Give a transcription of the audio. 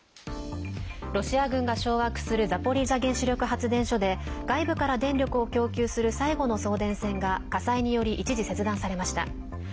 ロシア軍が掌握するザポリージャ原子力発電所で外部から電力を供給する最後の送電線が火災により一時、切断されました。